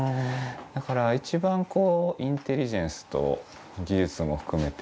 だから一番こうインテリジェンスと技術も含めて表現できるというか。